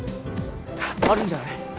あるんじゃない？